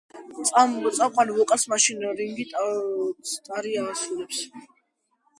წამყვან ვოკალს მასში რინგო სტარი ასრულებს.